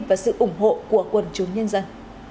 và sự ủng hộ của quần chúng nhân dân